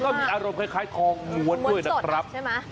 มีอารมณ์คล้ายทองม้วนด้วยนะครับใช่ไหม